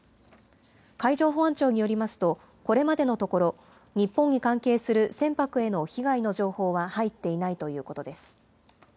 海上保安庁によりますと、これまでのところ、日本に関係する船舶への被害の情報は入っていないということです。